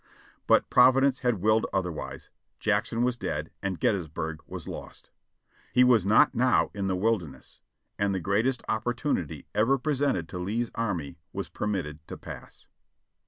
But Providence had willed otherwise. Jackson was dead, and Gettysburg was lost. He was not now in the Wilderness, and the greatest opportunity ever presented to Lee's army was permitted to pass."